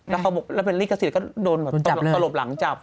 แล้วเขาบอกแล้วเป็นลิขสิทธิ์ก็โดนแบบตลบหลังจับ